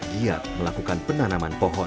dia melakukan penanaman pohon